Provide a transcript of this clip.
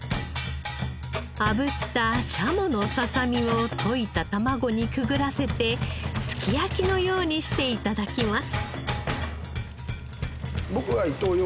炙った軍鶏のササミを溶いた卵にくぐらせてすき焼きのようにして頂きます。